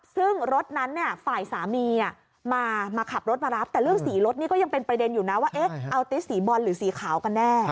ซึ่งรถนั้นฝ่ายสามีมาขับรถมารับแต่เรื่องสีรถนี่ก็ยังเป็นประเด็นอยู่นะว่าเอาติสสีบอลหรือสีขาวกันแน่